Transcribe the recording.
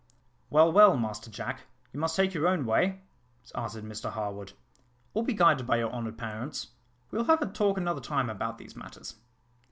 "Well, well, Master Jack, you must take your own way," answered Mr Harwood, "or be guided by your honoured parents: we will have a talk another time about these matters."